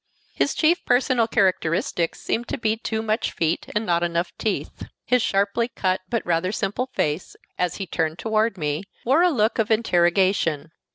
His chief personal characteristics seemed to be too much feet and not enough teeth. His sharply cut, but rather simple face, as he turned it towards me, wore a look of interrogation.